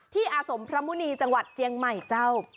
อาสมพระมุณีจังหวัดเจียงใหม่เจ้า